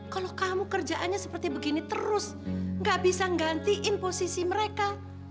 kalau kamu kerjaannya seperti begini terus gak bisa gantiin posisi mereka